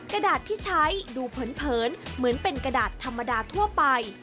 กระดาษที่ใช้ดูเผินเหมือนเป็นกระดาษธรรมดาทั่วไป